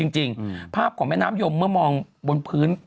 จริงภาพของแม่น้ำยมเมื่อมองบนพื้น